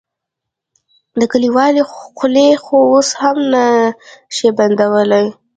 د کليوالو خولې خو اوس هم نه شې بندولی.